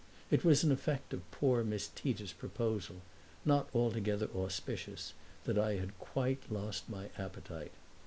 It was an effect of poor Miss Tita's proposal, not altogether auspicious, that I had quite lost my appetite.